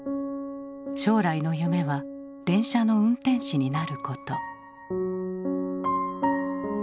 将来の夢は電車の運転士になること。